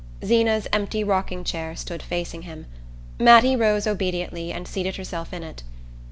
Zeena's empty rocking chair stood facing him. Mattie rose obediently, and seated herself in it.